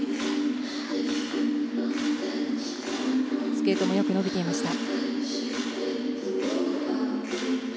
スケートもよく伸びていました。